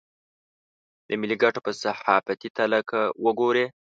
د ملي ګټو په صحافتي تله که وګوري.